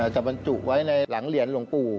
บรรจุไว้ในหลังเหรียญหลวงปู่